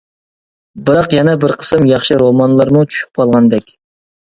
بىراق يەنە بىر قىسىم ياخشى رومانلارمۇ چۈشۈپ قالغاندەك.